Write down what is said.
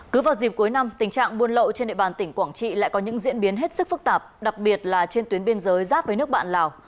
cứ vào dịp cuối năm tình trạng buôn lậu trên địa bàn tỉnh quảng trị lại có những diễn biến hết sức phức tạp đặc biệt là trên tuyến biên giới giáp với nước bạn lào